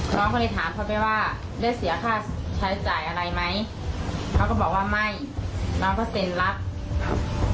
น้องก็เลยถามเขาไปว่าได้เสียค่าใช้จ่ายอะไรไหมเขาก็บอกว่าไม่น้องก็เซ็นรับครับ